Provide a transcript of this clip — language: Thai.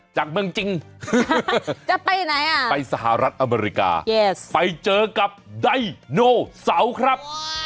จากเมืองจริงจะไปไหนอ่ะไปสหรัฐอเมริกาไปเจอกับไดโนเสาครับ